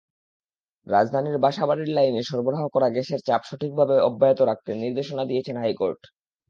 রাজধানীর বাসাবাড়িতে লাইনে সরবরাহ করা গ্যাসের চাপ সঠিকভাবে অব্যাহত রাখতে নির্দেশনা দিয়েছেন হাইকোর্ট।